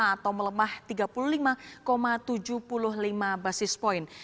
atau melemah tiga puluh lima tujuh puluh lima basis point